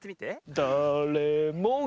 「だれもが」